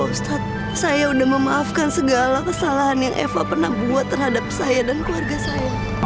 ustadz saya udah memaafkan segala kesalahan yang eva pernah buat terhadap saya dan keluarga saya